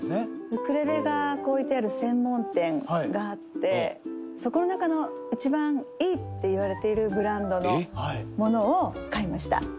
「ウクレレが置いてある専門店があってそこの中の一番いいって言われているブランドのものを買いました」